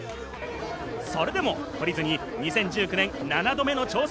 それでも懲りずに２０１９年、７度目の挑戦。